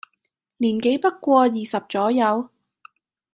年紀不過二十左右，